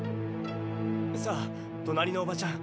さあ隣のおばちゃん